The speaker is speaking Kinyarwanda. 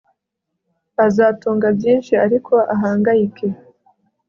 azatunga byinshi ariko ahangayike